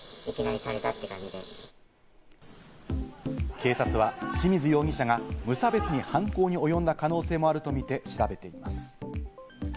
警察は清水容疑者が無差別に犯行に及んだ可能性もあるとみて調べています。